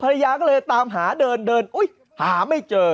ภรรยาก็เลยตามหาเดินเดินอุ้ยหาไม่เจอ